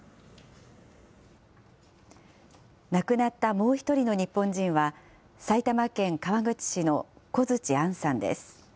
亡くなったもう１人の日本人は、埼玉県川口市の小槌杏さんです。